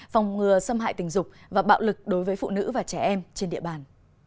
phòng ngừa xâm hại tình dục và bạo lực đối với phụ nữ và trẻ em trên địa bàn